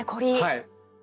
はい。